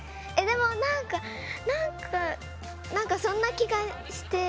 でも何か何かそんな気がして。